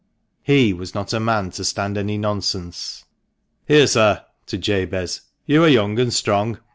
He was not a man to stand any nonsense. "Here, sir," — to Jabez — "you are young and strong.